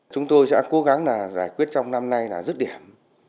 chúng tôi sẽ cố gắng giải quyết trong năm nay là rứt điểm